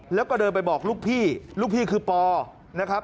แล้วก็เดินไปบอกลูกพี่ลูกพี่คือปอนะครับ